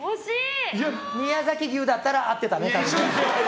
宮崎牛だったら合ってたね、多分ね。